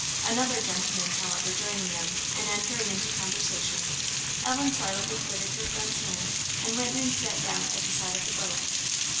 Another gentleman, however, joining them, and entering into conversation, Ellen silently quitted her friend's hand, and went and sat down at the side of the boat.